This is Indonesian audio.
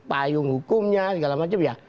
payung hukumnya segala one yum ya